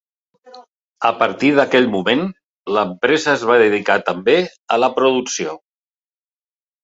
A partir d'aquell moment, l'empresa es va dedicar també a la producció.